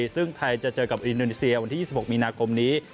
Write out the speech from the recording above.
ซึ่งไทยจะเจอกับอินโดนีเซียวันที่๒๖มีนาคมนี้